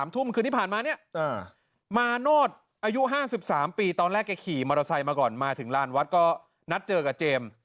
ทุ่มคืนที่ผ่านมาเนี่ยมาโนธอายุ๕๓ปีตอนแรกแกขี่มอเตอร์ไซค์มาก่อนมาถึงลานวัดก็นัดเจอกับเจมส์